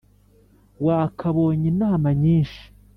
wakabonye inama nyinshi